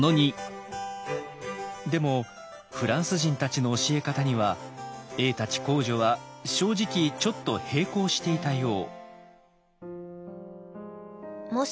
でもフランス人たちの教え方には英たち工女は正直ちょっと閉口していたよう。